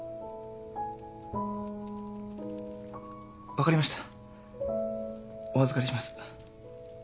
分かりましたお預かりします。